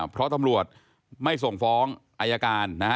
เพราะตำรวจไม่ส่งฟ้องอายการนะฮะ